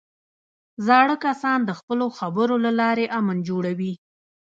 زاړه کسان د خپلو خبرو له لارې امن جوړوي